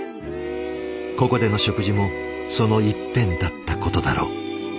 ここでの食事もその一片だったことだろう。